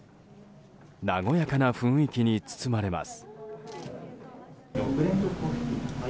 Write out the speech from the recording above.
和やかな雰囲気に包まれます。